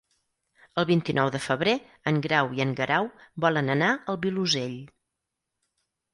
El vint-i-nou de febrer en Grau i en Guerau volen anar al Vilosell.